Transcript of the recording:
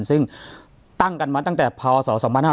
ซึ่งตั้งกันมาตั้งแต่พศ๒๕๕๙